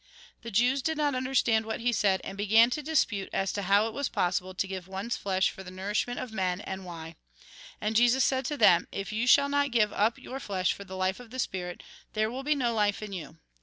The Jews did not understand what he said, and began to dispute as to how it was possible to Jn. vi. 42. THE TRUE LIFE 71 Jn. vi. 63. 66. 67. 63. Lk. *. 1. give one's flesh for the nourishment of men, and why. And Jesus said to them :" If you shall not give up your flesh for the life of the spirit, there will be no life in you.